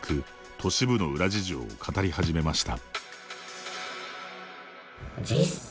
都市部の裏事情を語り始めました。